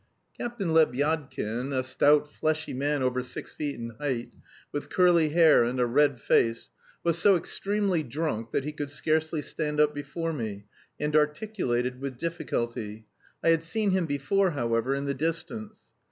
Captain Lebyadkin, a stout, fleshy man over six feet in height, with curly hair and a red face, was so extremely drunk that he could scarcely stand up before me, and articulated with difficulty. I had seen him before, however, in the distance.